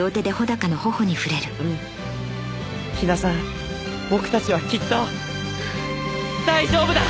陽菜さん僕たちはきっと大丈夫だ！